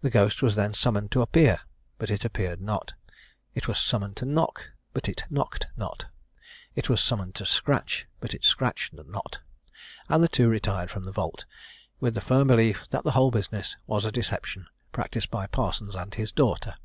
The ghost was then summoned to appear, but it appeared not; it was summoned to knock, but it knocked not; it was summoned to scratch, but it scratched not; and the two retired from the vault, with the firm belief that the whole business was a deception practised by Parsons and his daughter.